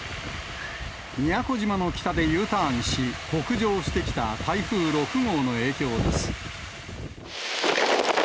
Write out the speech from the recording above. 宮古島の北でＵターンし、北上してきた台風６号の影響です。